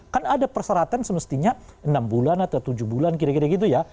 kan ada perseratan semestinya enam bulan atau tujuh bulan kira kira gitu ya